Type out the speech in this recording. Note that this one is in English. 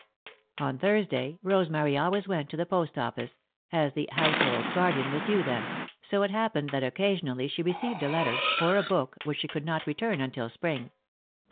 On Thursday, Rosemary always went to the post office, as The Household Guardian was due then, so it happened that occasionally she received a letter, or a book which she could not return until Spring.